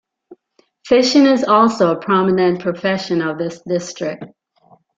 Fishing is also a prominent profession of this district.